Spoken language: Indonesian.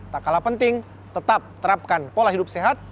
tak kalah penting tetap terapkan pola hidup sehat